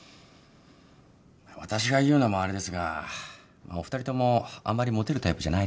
私が言うのもあれですがお二人ともあんまりモテるタイプじゃないですね。